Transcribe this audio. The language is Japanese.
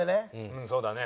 うんそうだね。